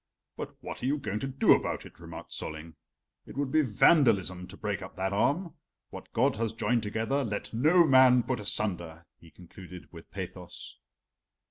"But what are you going to do about it?" remarked Solling. "It would be vandalism to break up that arm. What God has joined together let no man put asunder," he concluded with pathos.